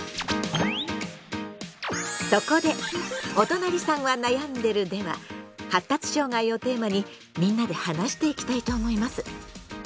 そこで「おとなりさんはなやんでる。」では発達障害をテーマにみんなで話していきたいと思います。